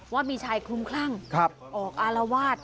ว่ามีชายคลุมคลั่งออกอารวาส